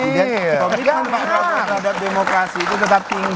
komitmen pak prabowo terhadap demokrasi itu tetap tinggi